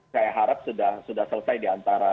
saya harap sudah selesai diantara